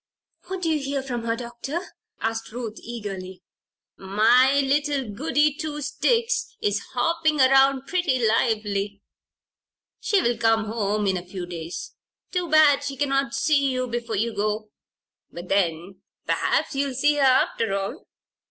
"What do you hear from her, Doctor?" questioned Ruth, eagerly. "My little Goody Two sticks is hopping around pretty lively. She will come home in a few days. Too bad she cannot see you before you go. But then perhaps you'll see her, after all."